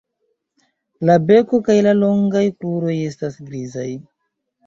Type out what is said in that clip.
La beko kaj la longaj kruroj estas grizaj.